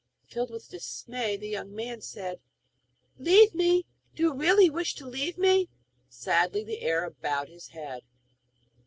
Filled with dismay the young man said: 'Leave me! Do you really wish to leave me?' Sadly the Arab bowed his head.